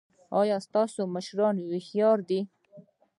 ایا ستاسو مشران هوښیار دي؟